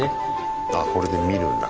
ああこれで見るんだ。